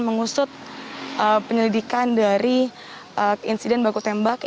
mengusut penyelidikan dari insiden baku tembak